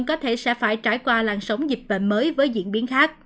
có thể sẽ phải trải qua làn sóng dịch bệnh mới với diễn biến khác